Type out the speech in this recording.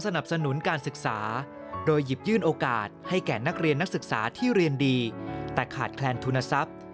แต่ขาดแคลนธุรกิจทุนทรัพย์